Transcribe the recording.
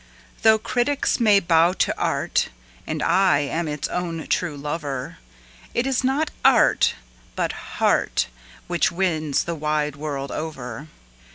Though critics may bow to art, and I am its own true lover, It is not art, but heart, which wins the wide world over.